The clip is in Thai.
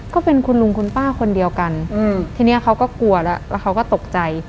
ก็เป็นคุณลุงคุณป้าคนเดียวกันทีนี้เขาก็กลัวแล้วแล้วเขาก็ตกใจ